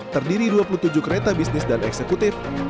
terdiri dua puluh tujuh kereta bisnis dan eksekutif